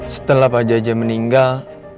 setelah pak jajah meninggal